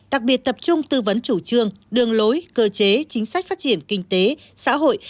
đặc biệt tập trung tư vấn chủ trương đường lối cơ chế chính sách phát triển kinh tế xã hội